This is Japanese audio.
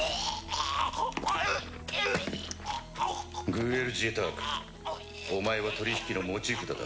グエル・ジェタークお前は取り引きの持ち札だ。